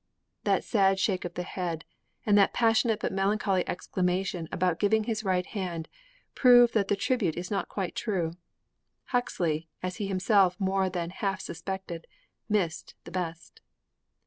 That sad shake of the head, and that passionate but melancholy exclamation about giving his right hand, prove that the tribute is not quite true. Huxley, as he himself more than half suspected, missed the best.